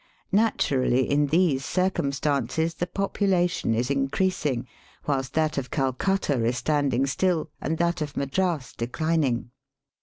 Naturally in these circumstances the population is increasing, whilst that of Calcutta is standing still and that of Madras declining.